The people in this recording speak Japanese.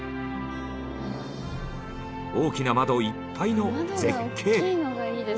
大きな窓いっぱいの絶景。